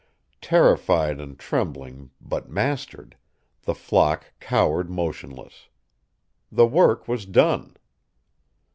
Terrified and trembling, but mastered, the flock cowered motionless. The work was done.